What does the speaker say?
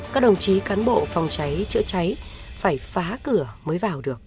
các đồng chí cán bộ phòng cháy chữa cháy phải phá cửa mới vào được